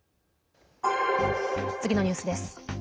次のニュースです。